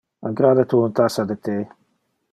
Agrada tu un tassa de the?